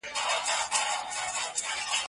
که وخت وي، کتابونه وليکم،،